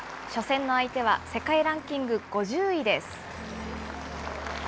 初戦の相手は世界ランキング５０位です。